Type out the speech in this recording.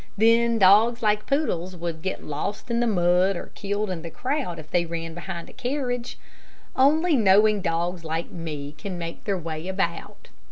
Then dogs like poodles would get lost in the mud, or killed in the crowd if they ran behind a carriage. Only knowing dogs like me can make their way about."